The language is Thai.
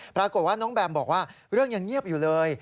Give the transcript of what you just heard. ปรากฏว่าน้องแบมบอกว่าเรื่องยังเงียบอยู่เลย